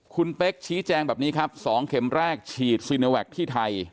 คุณเป๊กชี้แจงแบบนี้ครับสองเข็มแรกฉีดที่ไทย